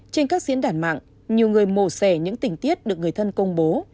trên các diễn đặt mạng nhiều người mổ xẻ những tình tiết được người thân công bố